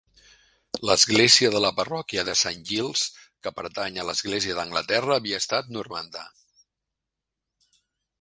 L'església de la parròquia de Saint Giles, que pertany a l'Església d'Anglaterra, havia estat normanda.